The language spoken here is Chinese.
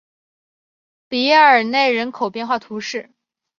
比耶尔内人口变化图示